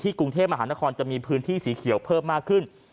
กรุงเทพมหานครจะมีพื้นที่สีเขียวเพิ่มมากขึ้น